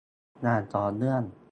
อย่างต่อเนื่อง